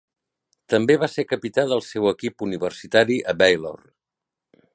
També va ser capità del seu equip universitari a Baylor.